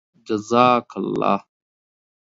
جزاك اللهُ